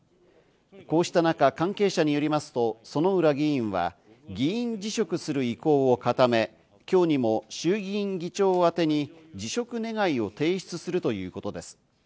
こうした中、関係者によりますと、薗浦議員は議員辞職する意向を固め、今日にも衆議院議長宛に辞職願を提出するということです。